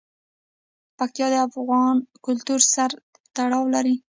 پکتیا د افغان کلتور سره تړاو لري.